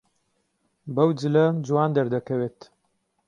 بەو جلە جوان دەردەکەوێت.